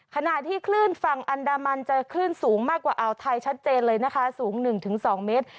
ขณะที่คลื่นฝั่งอันดามันเจอคลื่นสูงมากกว่าอ่าวไทยชัดเจนเลยนะคะสูง๑๒เมตร